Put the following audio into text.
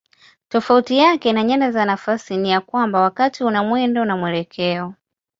Tofauti yake na nyanda za nafasi ni ya kwamba wakati una mwendo na mwelekeo.